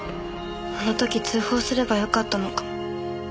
あの時通報すればよかったのかも。